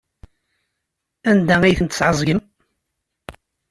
Anda ay ten-tesɛeẓgem?